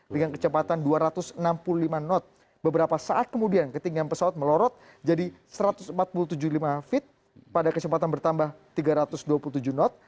dengan kecepatan dua ratus enam puluh lima knot beberapa saat kemudian ketinggian pesawat melorot jadi satu ratus empat puluh tujuh lima feet pada kecepatan bertambah tiga ratus dua puluh tujuh knot